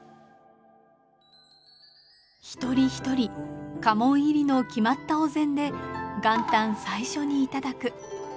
一人一人家紋入りの決まったお膳で元旦最初にいただく。